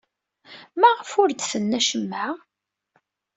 Maɣef ur d-tenni acemma?